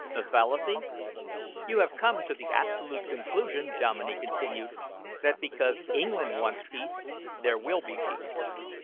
"A fallacy?" "You have come to the absolute conclusion," Dominey continued, "that because England wants peace there will be peace.